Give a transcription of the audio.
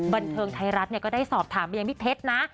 บันเทิงไทยรัฐก็ได้สอบถามไปยังพี่เพชรนะ